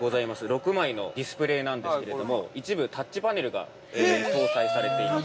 ６枚のディスプレーなんですけれども一部タッチパネルが搭載されています。